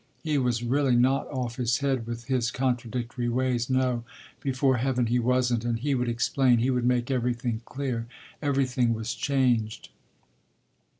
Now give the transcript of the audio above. He was really not off his head with his contradictory ways; no, before heaven he wasn't, and he would explain, he would make everything clear. Everything was changed.